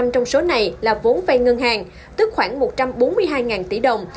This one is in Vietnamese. bảy mươi trong số này là vốn vay ngân hàng tức khoảng một trăm bốn mươi hai tỷ đồng